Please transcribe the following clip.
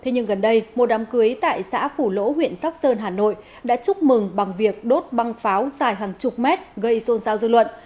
nhưng gần đây một đám cưới tại xã phủ lỗ huyện sóc sơn hà nội đã chúc mừng bằng việc đốt băng pháo dài hàng chục mét gây xôn xao dư luận